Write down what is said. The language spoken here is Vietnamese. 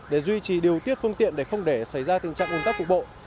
để duy trì điều tiết phương tiện để không để xảy ra tình trạng ồn tắc cục bộ